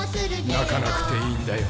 なかなくていいんだよ